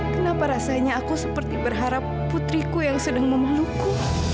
kenapa rasanya aku seperti berharap putriku yang sedang memelukku